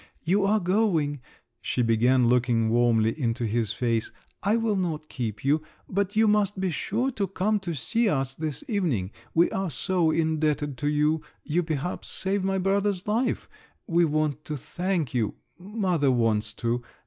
"You are going," she began, looking warmly into his face; "I will not keep you, but you must be sure to come to see us this evening: we are so indebted to you—you, perhaps, saved my brother's life, we want to thank you—mother wants to.